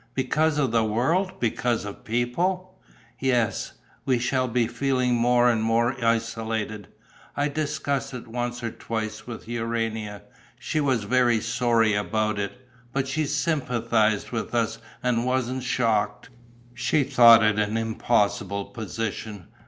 "Because of the world? Because of people?" "Yes. We shall be feeling more and more isolated. I discussed it once or twice with Urania. She was very sorry about it, but she sympathized with us and wasn't shocked. She thought it an impossible position.